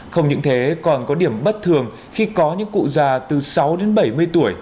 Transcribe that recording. không những thế còn có điểm bất thường khi có những cụ già từ sáu đến bảy mươi tuổi